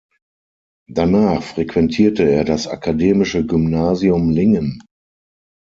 Danach frequentierte er das akademische Gymnasium Lingen.